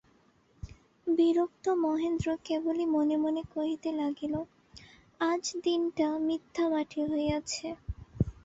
বিরক্ত মহেন্দ্র কেবলই মনে মনে কহিতে লাগিল, আজ দিনটা মিথ্যা মাটি হইয়াছে।